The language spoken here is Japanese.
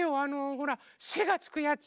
ほら「せ」がつくやつ。